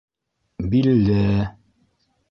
Билле!